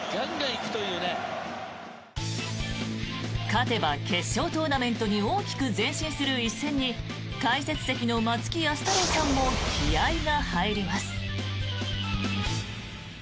勝てば決勝トーナメントに大きく前進する一戦に解説席の松木安太郎さんも気合が入ります。